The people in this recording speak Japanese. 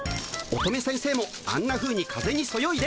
乙女先生もあんなふうに風にそよいで。